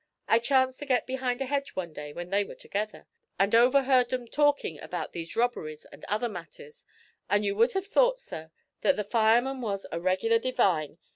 I chanced to get behind a hedge one day when they were together, and overheard 'em talkin' about these robberies and other matters, and you would have thought, sir, that the fireman was a regular divine.